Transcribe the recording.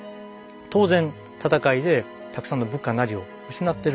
当然戦いでたくさんの部下なりを失ってるわけです。